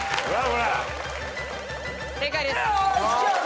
正解です。